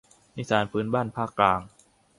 นิทานพื้นบ้านภาคกลาง